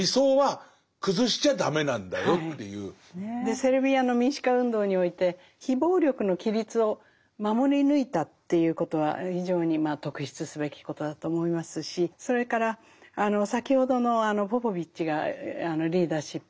セルビアの民主化運動において非暴力の規律を守り抜いたということは非常に特筆すべきことだと思いますしそれからあの先ほどのポポヴィッチがリーダーシップを発揮してですね